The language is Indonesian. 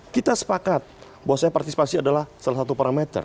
kita sepakat bahwa saya partisipasi adalah salah satu parameter